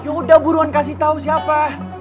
yaudah buruan kasih tahu siapa